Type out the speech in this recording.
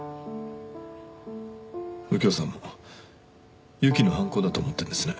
右京さんも侑希の犯行だと思っているんですね。